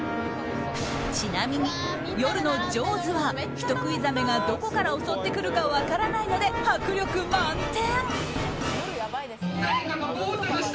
ちなみに夜のジョーズは人喰いザメがどこから襲ってくるか分からないので迫力満点。